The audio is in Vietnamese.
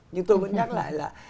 nhưng tôi vẫn nhắc lại là